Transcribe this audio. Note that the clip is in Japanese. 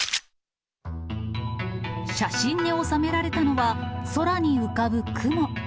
写真に収められたのは、空に浮かぶ雲。